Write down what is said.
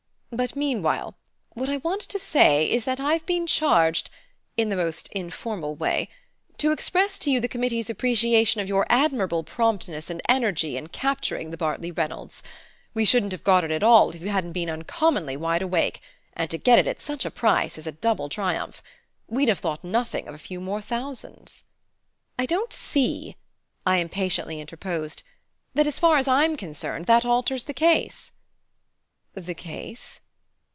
But meanwhile what I want to say is that I've been charged in the most informal way to express to you the committee's appreciation of your admirable promptness and energy in capturing the Bartley Reynolds. We shouldn't have got it at all if you hadn't been uncommonly wide awake, and to get it at such a price is a double triumph. We'd have thought nothing of a few more thousands " "I don't see," I impatiently interposed, "that, as far as I'm concerned, that alters the case." "The case